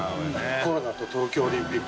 コロナ」と「東京オリンピック」